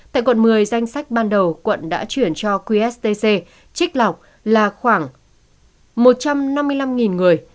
tại quận một mươi danh sách ban đầu quận đã chuyển cho qst trích lọc là khoảng một trăm năm mươi năm người